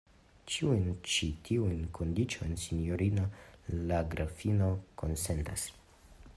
Ĉiujn ĉi tiujn kondiĉojn sinjorino la grafino konsentas.